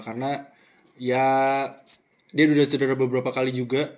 karena ya dia udah cedera beberapa kali juga